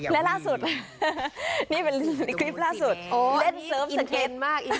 และล่าสุดนี่เป็นคลิปล่าสุดเล่นเซิร์ฟสเก็นมากอีก